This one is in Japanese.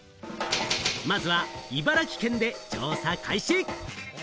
まずは茨城県で調査開始。